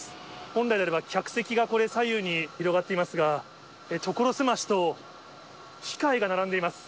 本来であれば、客席が左右に広がっていますが、所狭しと機械が並んでいます。